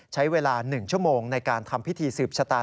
ใช้เวลา๑ชั่วโมงในการทำพิธีสืบชะตา